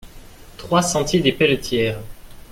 trois sentier des Pelletières